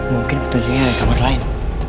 mungkin petunjuknya ada di kamar lain